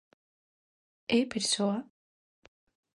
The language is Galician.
É persoa?